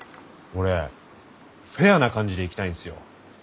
俺フェアな感じでいきたいんですよ。